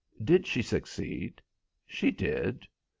"Did she succeed?" "She did."